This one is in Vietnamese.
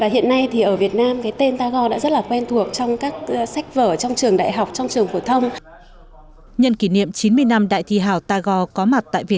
hiện nay thì ở việt nam cái tên tagore đã rất là quen thuộc trong các sách vở